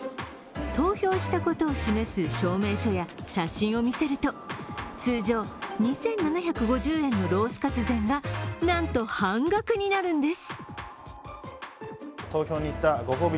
投票したことを示す証明書や写真を見せると、通常２７５０円のロースかつ膳が、なんと半額になるんです。